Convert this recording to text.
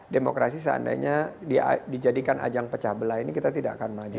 demokrasi seandainya dijadikan ajang pecah belah ini kita tidak akan maju